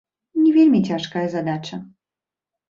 Не вельмі цяжкая задача.